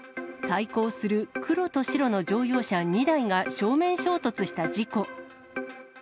対向する黒と白の乗用車２台が正面衝突した事故。